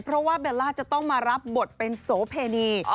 เพราะว่าเบลล่าจะต้องมารับบทเป็นโสเพณี